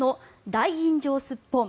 大吟醸すっぽん